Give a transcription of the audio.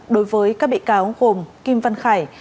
đối với các bị cáo gồm kim văn khải